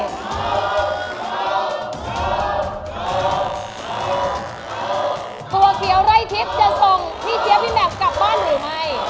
ถั่วเขียวไร้ทิศจะส่ง